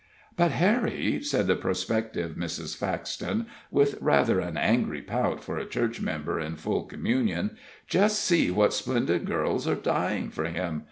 "But, Harry," said the prospective Mrs. Faxton, with rather an angry pout for a Church member in full communion, "just see what splendid girls are dying for him!